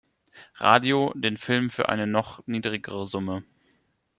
Radio" den Film für eine noch niedrigere Summe.